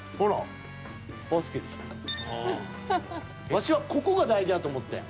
ワシはここが大事やと思ってん。